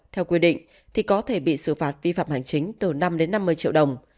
theo quy định thì có thể bị xử phạt vi phạm hành chính từ năm đến năm mươi triệu đồng